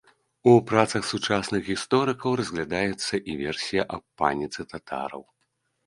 У працах сучасных гісторыкаў разглядаецца і версія аб паніцы татараў.